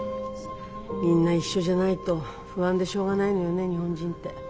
みんな一緒じゃないと不安でしょうがないのよね日本人って。